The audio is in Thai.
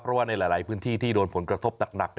เพราะว่าในหลายพื้นที่ที่โดนผลกระทบหนัก